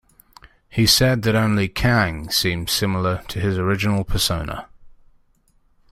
He said that only Kang seemed similar to his original persona.